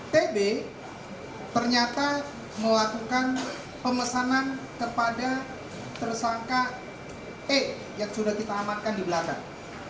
tb ternyata melakukan pemesanan kepada tersangka e yang sudah kita amankan di belakang